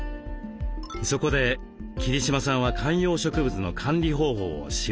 そこで桐島さんは観葉植物の管理方法を習得。